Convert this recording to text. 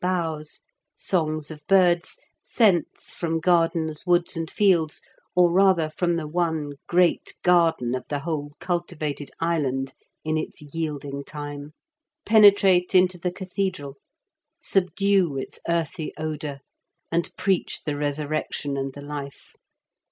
59 boughs, songs of birds, scents from gardens, woods, and fields, — or, rather, from the one great garden of the whole cultivated island in its yielding time, — penetrate into the cathedral, subdue its earthy odour, and preach the Resurrection and the Life.